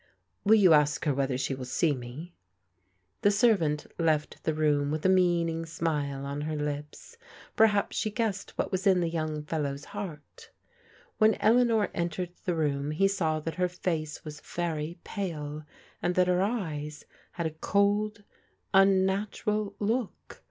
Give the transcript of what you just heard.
" Will you ask her whether she will see me? The servant left the room with a meaning smile (m her lips. Perhaps she guessed what was in the yotmg fellow's heart. When Eleanor entered the room he saw that her face was very pale, and that her eyes had a cold, unnatural look.